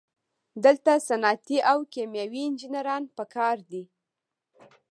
دلته صنعتي او کیمیاوي انجینران پکار دي.